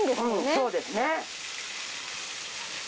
そうですね。